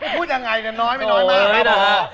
พูดยังไงแต่น้อยไม่น้อยมากครับ